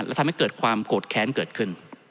และทำให้เกิดความโกรธแค้นเกิดขึ้น